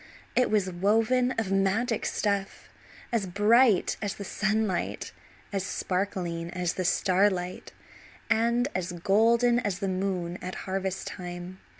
It was woven of magic stuff as bright as the sunlight, as sparkling as the starlight, and as golden as the moon at harvest time.